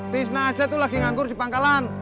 tisna aja itu lagi nganggur di pangkalan